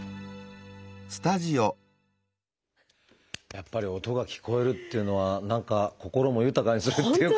やっぱり音が聞こえるというのは何か心も豊かにするっていうか。